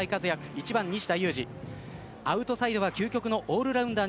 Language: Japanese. １番、西田有志アウトサイドは究極のオールラウンド